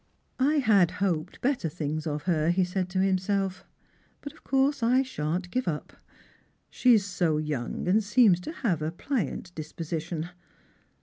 "I had hoped better things of her," he said to himself. " But of course I shan't give up. She is so young, and ssems to have a pliant disposition.